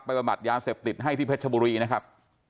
ไปบรรบัดยาเสพติดให้ที่เผชเจอบุรีนะครับ